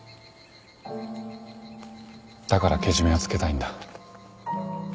だからけじめをつけたいんだ。